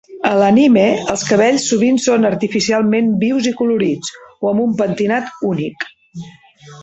A l'anime, els cabells sovint són artificialment vius i colorits, o amb un pentinat únic.